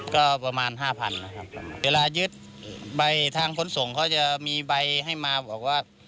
ก็ประมาณห้าพันนะครับเวลายึดใบทางขนส่งเขาจะมีใบให้มาบอกว่า